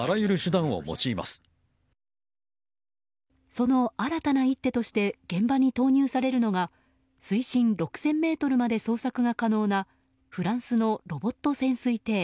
その新たな一手として現場に投入されるのが水深６０００ｍまで捜索が可能なフランスのロボット潜水艇